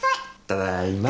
ただいま。